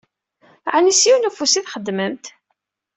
Ɛni s yiwen ufus i txeddmemt?